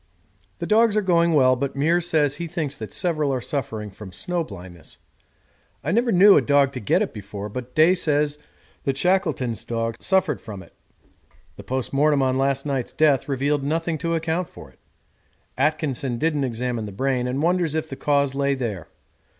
The dogs are going well, but Meares says he thinks that several are suffering from snow blindness. I never knew a dog get it before, but Day says that Shackleton's dogs suffered from it. The post mortem on last night's death revealed nothing to account for it. Atkinson didn't examine the brain, and wonders if the cause lay there.